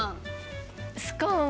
スコーン